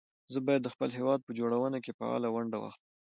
زه بايد د خپل هېواد په جوړونه کې فعاله ونډه واخلم